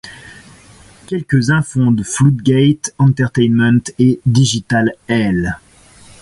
Quelque-uns fondent Floodgate Entertainment et Digital Eel.